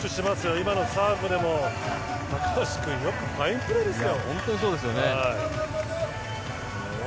今のサーブも高橋君ファインプレーですよ。